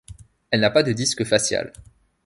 Elle n'a pas de disque facial.